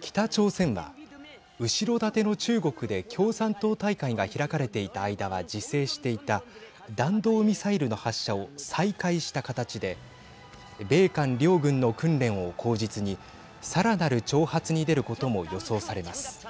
北朝鮮は後ろ盾の中国で共産党大会が開かれていた間は自制していた弾道ミサイルの発射を再開した形で米韓両軍の訓練を口実にさらなる挑発に出ることも予想されます。